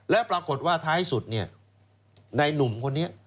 แล้วปรากฏว่าท้ายสุดเนี่ยในหนุ่มคนนี้